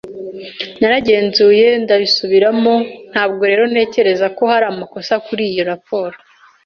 Naragenzuye ndabisubiramo, ntabwo rero ntekereza ko hari amakosa kuri iyo raporo.